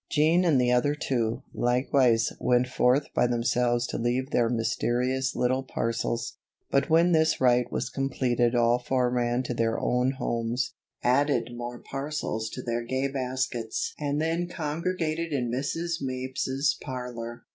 Jean and the other two, likewise, went forth by themselves to leave their mysterious little parcels. But when this rite was completed all four ran to their own homes, added more parcels to their gay baskets and then congregated in Mrs. Mapes's parlor.